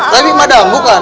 tapi madam bukan